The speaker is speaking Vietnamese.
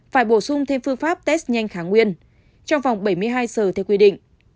phải bổ sung thêm phương pháp test nhanh kháng nguyên trong vòng bảy mươi hai giờ theo quy định